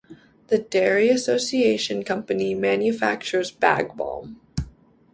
The Dairy Association Company manufactures Bag Balm.